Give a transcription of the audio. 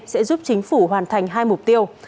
sẽ giúp chính phủ hoàn thành hai mục tiêu